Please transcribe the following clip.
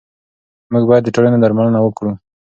موږ باید د ټولنې درملنه وکړو.